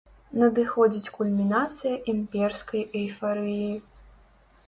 Надыходзіць кульмінацыя імперскай эйфарыі.